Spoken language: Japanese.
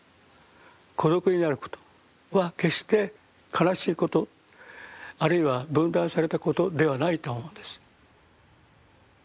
孤独になることは決して悲しいことあるいは分断されたことではないと思うんです。